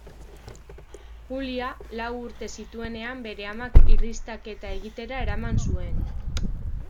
Julia, lau urte zituenean bere amak irristaketa egitera eraman zuen.